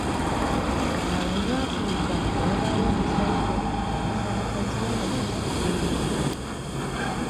Awo olwatuuka nga wabaawo omusajja ng’awasa mukazi we nga bazaala omwana.